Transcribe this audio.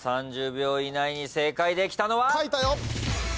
３０秒以内に正解できたのは？